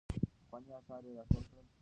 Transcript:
پخواني اثار يې راټول کړل.